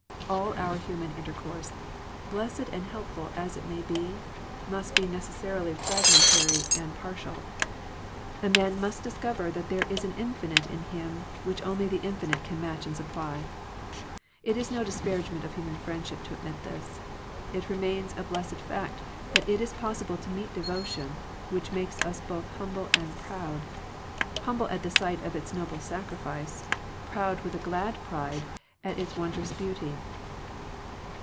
All our human inter course, blessed and helpful as it may be, must be necessarily fragmentary and 216 Digitized by VjOOQIC THE HIGHER FRIENDSHIP partial. A man must discover that there is an infinite in him, which only the infi nite can match and supply. It is no dis paragement of human friendship to admit this. It remains a blessed fact that it is possible to meet devotion, which makes us both humble and proud; humble at the sight of its noble sacrifice, proud with a glad pride at its wondrous beauty.